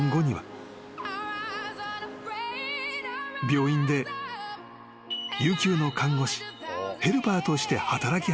［病院で有給の看護師ヘルパーとして働き始めた］